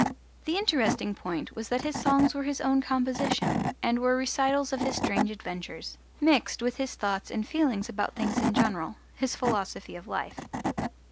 The interesting point was that his songs were his own composition and were recitals of his strange adventures, mixed with his thoughts and feelings about things in general his philosophy of life.